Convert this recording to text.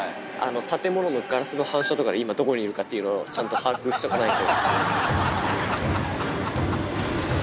建物のガラスの反射とかで、今、どこにいるかっていうのをちゃんと把握しておかないと。